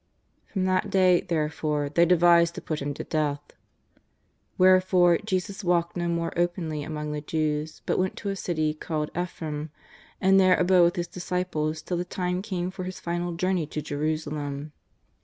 From that day, therefore, they devised to put Him to death. Wherefore Jesus walked no more openly among the Jews, but went to a city called Ephrem, and there abode with His disciples till the time came for His final journey to Jerusalem.